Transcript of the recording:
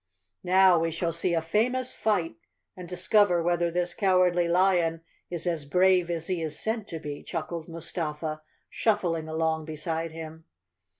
"Now we shall see a famous fight, and discover whether this Cowardly Lion is as brave as he is said to be," chuckled Mustafa, shuffling along beside him.